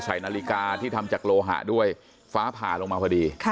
นาฬิกาที่ทำจากโลหะด้วยฟ้าผ่าลงมาพอดี